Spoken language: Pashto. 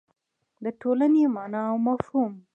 د ټولنې مانا او مفهوم